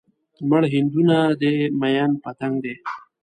مړ هندو نه دی ميئن پتنګ دی